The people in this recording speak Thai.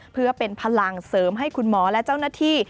เพื่อเป็นพลังเสริมให้คุณหมอและเจ้าหน้าที่